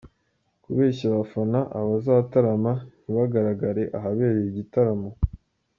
Kubeshya abafana abazatarama ntibagaragare ahabereye igitaramo.